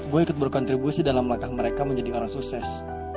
gue ikut berkontribusi dalam langkah mereka menjadi orang sukses